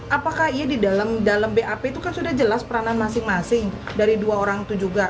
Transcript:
apakah iya di dalam bap itu kan sudah jelas peranan masing masing dari dua orang itu juga